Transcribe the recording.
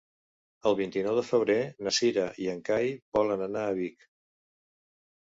El vint-i-nou de febrer na Cira i en Cai volen anar a Vic.